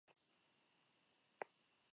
Who cares a Lot?